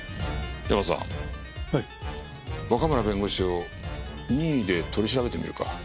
ヤマさん若村弁護士を任意で取り調べてみるか。